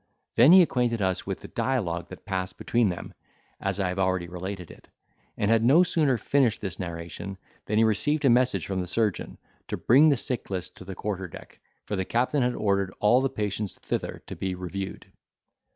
Then he acquainted us with the dialogue that passed between them, as I have already related it: and had no sooner finished this narration than he received a message from the surgeon, to bring the sick list to the quarter deck, for the captain had ordered all the patients thither to be reviewed.